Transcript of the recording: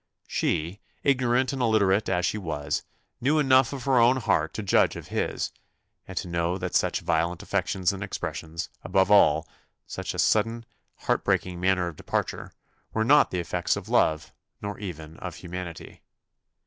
She, ignorant and illiterate as she was, knew enough of her own heart to judge of his, and to know that such violent affections and expressions, above all, such a sudden, heart breaking manner of departure, were not the effects of love, nor even of humanity.